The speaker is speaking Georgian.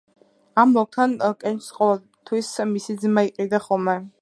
ამ ოლქიდან კენჭს ყოველთვის მისი ძმა იყრიდა ხოლმე.